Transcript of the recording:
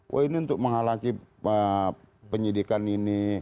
wah ini untuk menghalangi penyidikan ini